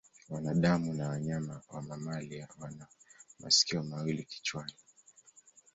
Wanadamu na wanyama mamalia wana masikio mawili kichwani.